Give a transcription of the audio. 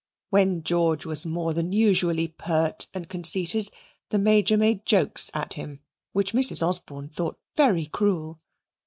When George was more than usually pert and conceited, the Major made jokes at him, which Mrs. Osborne thought very cruel.